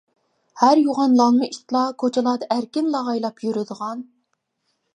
ھەر يۇغان لالما ئىتلار كوچىلاردا ئەركىن لاغايلاپ يۈرىدىغان.